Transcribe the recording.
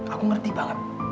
aku ngerti banget